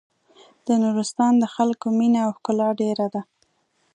د نورستان د خلکو مينه او ښکلا ډېره ده.